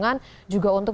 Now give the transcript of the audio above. terima kasih pak